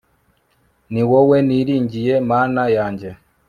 ni wowe niringiye, mana yanjye